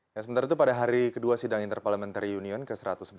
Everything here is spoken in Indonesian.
sementara itu pada hari kedua sidang interparlementary union ke satu ratus empat puluh empat